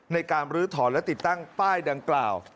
ในการบรื้อถอนและติดตั้งป้ายดังกล่าว